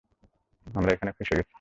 আমরা এখানে ফেঁসে গেছে!